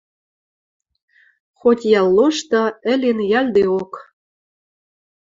Хоть йӓл лошты, ӹлен йӓлдеок.